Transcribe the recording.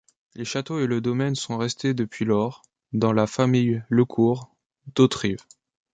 Le château et le domaine sont restés depuis lors dans la famille Lecourt d'Hauterive.